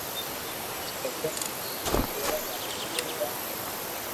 پسي ھوڻين ڪيوا لاگيو ڪي جا